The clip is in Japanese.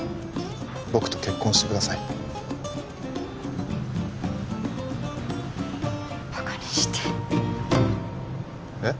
僕と結婚してくださいバカにしてえっ？